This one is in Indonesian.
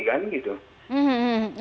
dan itu sangat memungkinkan